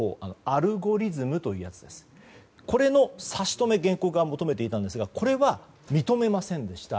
アルゴリズムというものですがこれの差し止めを原告側が求めていたんですがこれは認めませんでした。